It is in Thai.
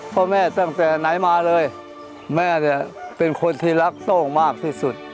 พ่อแม่ตั้งแต่ไหนมาเลยแม่เนี่ยเป็นคนที่รักโต้งมากที่สุด